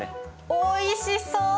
おいしそう！